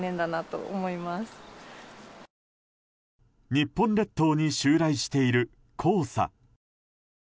日本列島に襲来している黄砂。